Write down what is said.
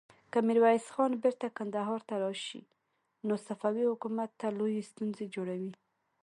که ميرويس خان بېرته کندهار ته راشي، نو صفوي حکومت ته لويې ستونزې جوړوي.